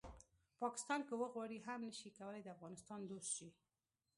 پاکستان که وغواړي هم نه شي کولی د افغانستان دوست شي